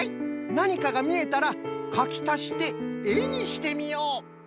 なにかがみえたらかきたしてえにしてみよう。